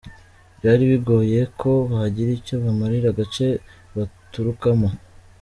Byari bigoye ko bagira icyo bamarira agace baturukamo.